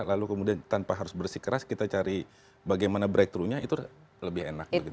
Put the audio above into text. lalu kemudian tanpa harus bersikeras kita cari bagaimana breakthroughnya itu lebih enak